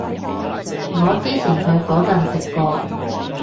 我之前去嗰陣食過